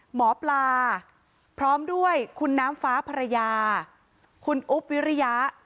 หมอปลาพร้อมด้วยคุณน้ำฟ้าภรรยาคุณอุ๊บวิริยะ